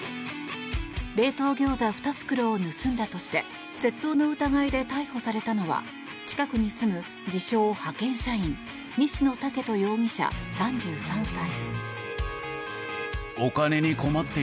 冷凍ギョーザ２袋を盗んだとして窃盗の疑いで逮捕されたのは近くに住む自称・派遣社員西野豪人容疑者、３３歳。